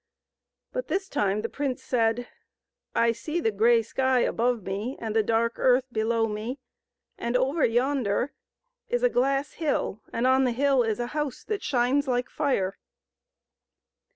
But this time the prince said, " I see the grey sky above me and the dark earth below me, and over yonder is a glass hill, and on the hill is a house that shines like fire."